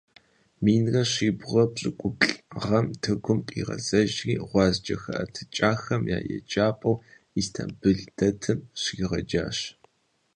Минрэ щибгъурэ пщыкӀуплӀ гъэм Тыркум къигъэзэжри гъуазджэ хэӀэтыкӀахэм я еджапӀэу Истамбыл дэтым щригъэджащ.